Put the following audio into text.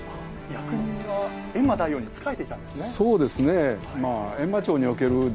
役人が閻魔大王に仕えていたんですね。